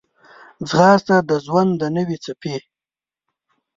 ځغاسته د ژوند د نوې څپې